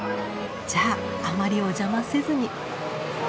じゃああまりお邪魔せずに。